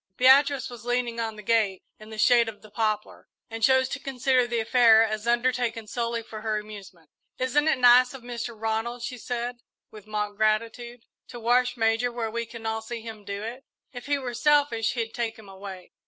Beatrice was leaning on the gate, in the shade of the poplar, and chose to consider the affair as undertaken solely for her amusement. "Isn't it nice of Mr. Ronald," she said, with mock gratitude, "to wash Major where we can all see him do it! If he were selfish, he'd take him away."